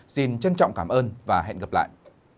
xin trân trọng cảm ơn và hẹn gặp lại